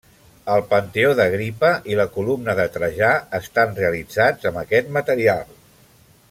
El Panteó d'Agripa i la Columna de Trajà estan realitzats amb aquest material.